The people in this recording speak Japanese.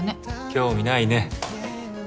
興味ないね